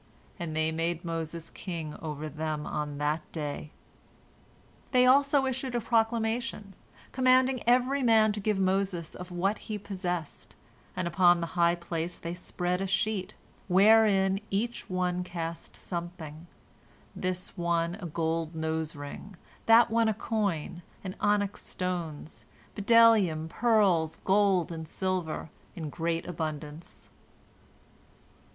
And they made Moses king over them on that day. They also issued a proclamation, commanding every man to give Moses of what he possessed, and upon the high place they spread a sheet, wherein each one cast something, this one a gold nose ring, that one a coin, and onyx stones, bdellium, pearls, gold, and silver in great abundance.